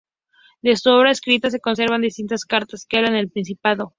De su obra escrita se conservan distintas cartas que hablan del "Principado".